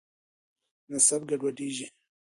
نسب ګډوډېږي.